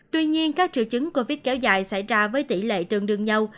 tuy nhiên các triệu chứng covid kéo dài xảy ra với tỷ lệ tương đương nhau